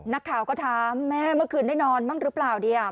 นักข่าก็ถามแม่เมื่อคืนนายนอนมั่นหรืะเปล่าเดี๋ยว